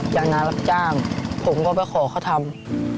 อย่างหน้ารับจ้างผมก็ไปขอเขาทำ